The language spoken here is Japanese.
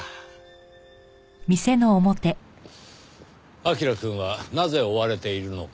彬くんはなぜ追われているのか。